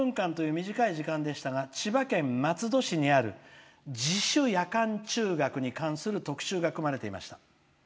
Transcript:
３０分間という短い時間でしたが千葉県松戸市にある自主夜間中学に関する特集が組まれていました。